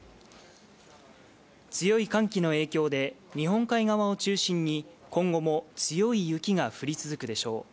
強い寒気の影響で日本海側を中心に今後も強い雪が降り続くでしょう。